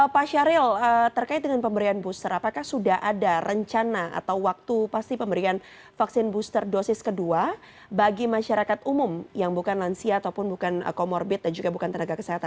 pak syahril terkait dengan pemberian booster apakah sudah ada rencana atau waktu pasti pemberian vaksin booster dosis kedua bagi masyarakat umum yang bukan lansia ataupun bukan comorbid dan juga bukan tenaga kesehatan